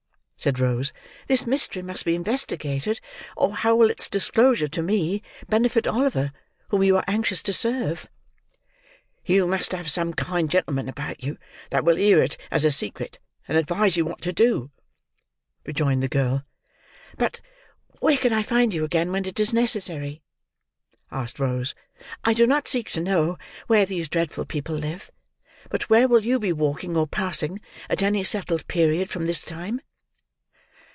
said Rose. "This mystery must be investigated, or how will its disclosure to me, benefit Oliver, whom you are anxious to serve?" "You must have some kind gentleman about you that will hear it as a secret, and advise you what to do," rejoined the girl. "But where can I find you again when it is necessary?" asked Rose. "I do not seek to know where these dreadful people live, but where will you be walking or passing at any settled period from this time?"